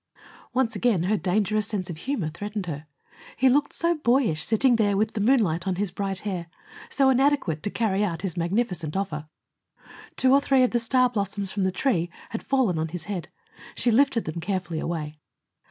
Once again her dangerous sense of humor threatened her. He looked so boyish, sitting there with the moonlight on his bright hair, so inadequate to carry out his magnificent offer. Two or three of the star blossoms from the tree had fallen all his head. She lifted them carefully away.